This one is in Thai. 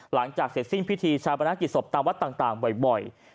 หลังจากเสร็จสิ้นพิธีชาปนกิจศพตามวัดต่างบ่อย